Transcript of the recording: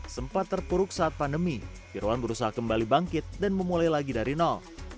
sempat terpuruk saat pandemi firwan berusaha kembali bangkit dan memulai lagi dari nol